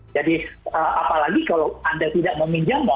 jadi apalagi kalau anda tidak meminjam